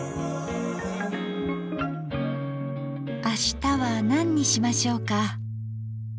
明日は何にしましょうか。